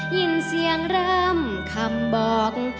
ยินเสียงร้ำคำบอก